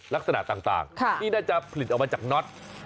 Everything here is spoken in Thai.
ลักษณะต่างที่น่าจะผลิตออกมาจากน็อต